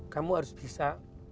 kamu harus bisa